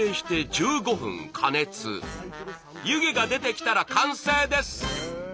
湯気が出てきたら完成です！